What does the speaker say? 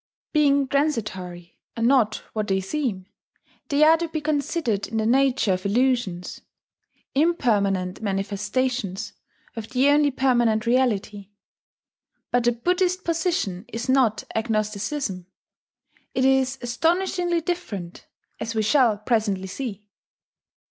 Being transitory, and not what they seem, they are to be considered in the nature of illusions, impermanent manifestations of the only permanent Reality. But the Buddhist position is not agnosticism: it is astonishingly different, as we shall presently see.